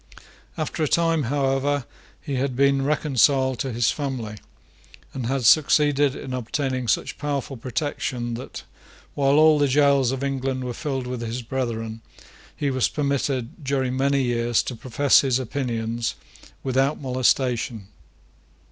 After a time, however, he had been reconciled to his family, and had succeeded in obtaining such powerful protection that, while all the gaols of England were filled with his brethren, he was permitted, during many years, to profess his opinions without molestation.